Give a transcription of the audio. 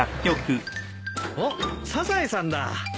おっサザエさんだ。